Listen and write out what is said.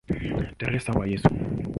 Teresa wa Yesu".